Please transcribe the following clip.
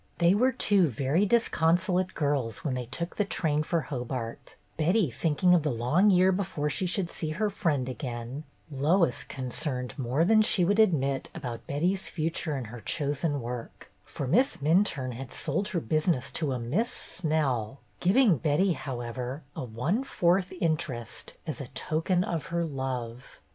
They were two very disconsolate girls when they took the train for Hobart, Betty thinking of the long year before she should see her friend again, Lois concerned more than she would admit about Betty's fu ture in her chosen work, for Miss Minturne had sold her business to a Miss Snell, giving Betty, however, a one fourth interest "as a token of her love."